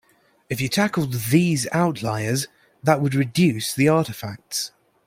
If you tackled these outliers that would reduce the artifacts.